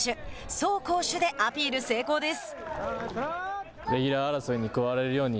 走攻守でアピール成功です。